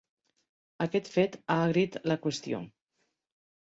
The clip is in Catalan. Aquest fet ha agrit la qüestió.